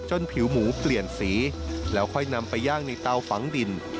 ผิวหมูเปลี่ยนสีแล้วค่อยนำไปย่างในเตาฝังดิน